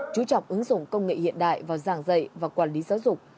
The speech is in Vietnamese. chú trọng ứng dụng công nghệ hiện đại vào giảng dạy và quản lý giáo dục